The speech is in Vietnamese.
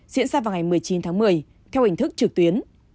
diễn ra vào ngày một mươi chín tháng một mươi theo hình thức trực tuyến